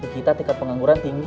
kita tingkat pengangguran tinggi